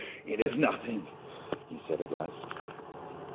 "It is nothing," he said, at last.